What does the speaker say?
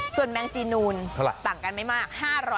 ส่วนแมงจีนูนต่างกันไม่มาก